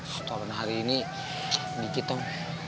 setoran hari ini sedikit om